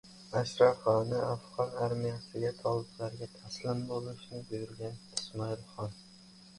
Ashraf G‘ani afg‘on armiyasiga toliblarga taslim bo‘lishni buyurgan — Ismoil Xon